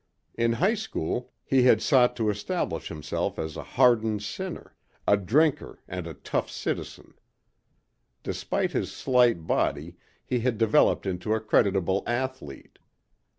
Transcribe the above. In high school he had sought to establish himself as a hardened sinner a drinker and tough citizen. Despite his slight body he had developed into a creditable athlete.